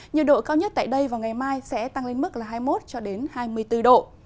nhiều độ cao nhất tại đây vào ngày mai sẽ tăng lên mức hai mươi một hai mươi bốn độ